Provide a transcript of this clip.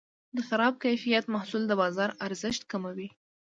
د خراب کیفیت محصول د بازار ارزښت کموي.